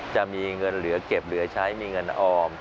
จะมีเงินเหลือเก็บเหลือใช้มีเงินออม